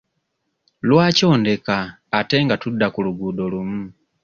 Lwaki ondeka ate nga tudda ku luguudo lumu?